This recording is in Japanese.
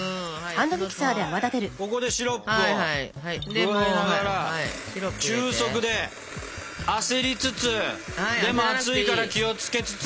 ここでシロップを加えながら中速で焦りつつでも熱いから気を付けつつ。